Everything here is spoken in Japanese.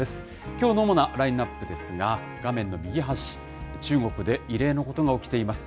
きょうの主なラインナップですが、画面の右端、中国で異例のことが起きています。